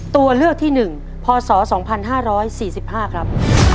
ตัวเลือกที่หนึ่งพศสองพันห้าร้อยสี่สิบห้าครับ